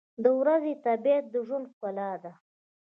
• د ورځې طبیعت د ژوند ښکلا ده.